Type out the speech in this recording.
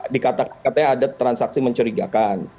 dikatakan ada transaksi mencurigakan